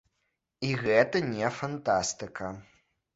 І гэта не фантастыка.